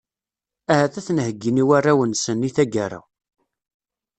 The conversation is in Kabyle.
Ahat ad ten-heyyin i warraw-nsen, i tagara.